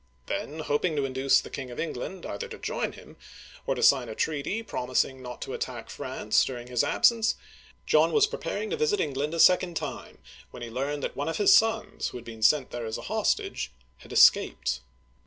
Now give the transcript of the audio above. Then, hoping to induce the King of England either to join him, or to sign a treaty promising not to attack France during his absence, John was preparing to visit England a second time, when he learned that one of his sons, who had been sent there as a hostage, had escaped.